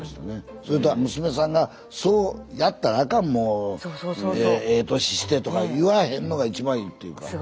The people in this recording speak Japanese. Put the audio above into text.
それと娘さんが「そうやったらあかんもうええ年して」とか言わへんのが一番いいというか。